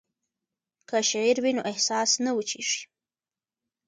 که شعر وي نو احساس نه وچیږي.